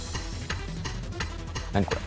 何これ？